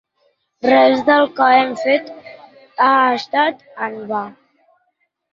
Res del que hem fet ha estat en va.